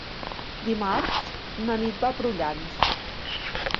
Dimarts na Nit va a Prullans.